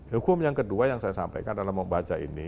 hukum yang kedua yang saya sampaikan dalam membaca ini